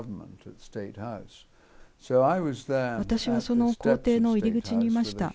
私はその公邸の入り口にいました。